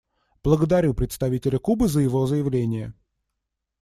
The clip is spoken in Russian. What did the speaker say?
Благодарю представителя Кубы за его заявление.